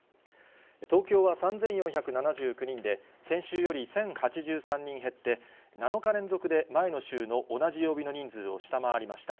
東京は３４７９人で、先週より１０８３人減って、７日連続で前の週の同じ曜日の人数を下回りました。